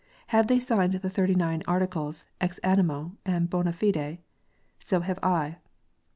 Have they signed the Thirty nine Articles ex animo and bond fide ? So have I.